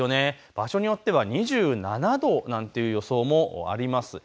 場所によっては２７度なんていう予想もあります。